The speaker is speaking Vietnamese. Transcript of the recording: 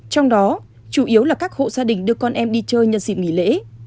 trong đó chủ yếu là các hộ gia đình đưa con em đi chơi nhân dịp nghỉ lễ